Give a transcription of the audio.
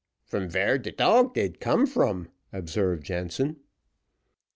"From vere de dog did come from," observed Jansen.